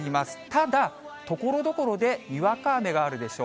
ただ、ところどころでにわか雨があるでしょう。